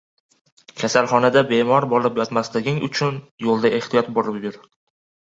• Kasalxonada bemor bo‘lib yotmasliging uchun yo‘lda ehtiyot bo‘lib yur.